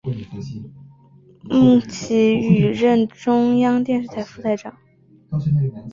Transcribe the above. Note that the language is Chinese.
孟启予任中央电视台副台长。